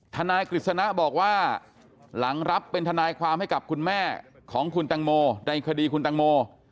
นายกฤษณะบอกว่าหลังรับเป็นทนายความให้กับคุณแม่ของคุณตังโมในคดีคุณตังโม